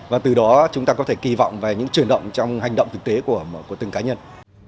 và từ đó chúng ta có thể kỳ vọng về những chuyển động trong hành động thực tế của từng cá nhân